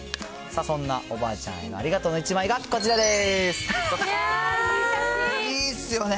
そんなおばあちゃんへのありがとうの１枚がこちらです。